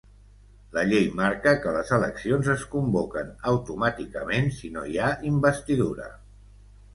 La llei marca que les eleccions es convoquen automàticament si no hi ha investidura.